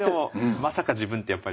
まさか自分ってやっぱりね。